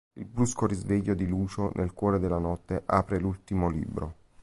Il brusco risveglio di Lucio nel cuore della notte apre l'ultimo libro.